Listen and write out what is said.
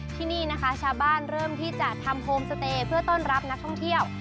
ที่นี่นะคะชาวบ้านเริ่มที่จะทำโฮมสเตย์เพื่อต้อนรับนักท่องเที่ยว